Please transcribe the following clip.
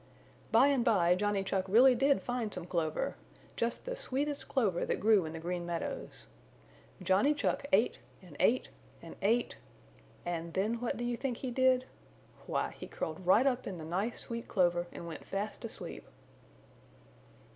By and by Johnny Chuck really did find some clover just the sweetest clover that grew in the Green Meadows. Johnny Chuck ate and ate and ate and then what do you think he did? Why, he curled right up in the nice sweet clover and went fast asleep.